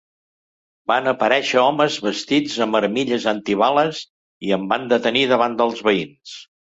“Van aparèixer homes vestits amb armilles antibales i em van detenir davant dels veïns”.